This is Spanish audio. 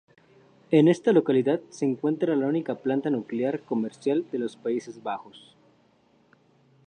En esta localidad se encuentra la única planta nuclear comercial de los Países Bajos.